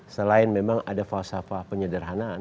selain memang ada falsafah penyederhanaan